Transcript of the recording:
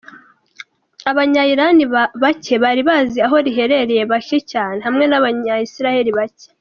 Abanya-Iran bake bari bazi aho riherereye, bake cyane, hamwe n’Abanyayisiraheli bake.